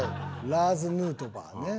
ラーズ・ヌートバーね。